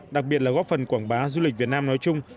đặc biệt là góp phần quảng bá du lịch việt nam nói chung